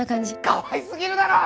かわいすぎるだろ！